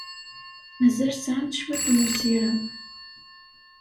Mazal sɛant cwiṭ n ussirem.